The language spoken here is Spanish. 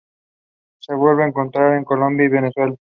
Se pueden encontrar en Colombia y Venezuela.